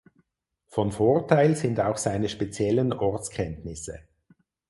Von Vorteil sind auch seine speziellen Ortskenntnisse.